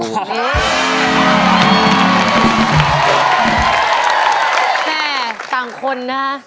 แม่ต่างคนนะฮะ